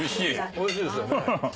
おいしいですよね。